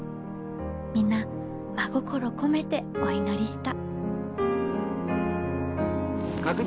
皆真心込めてお祈りした」。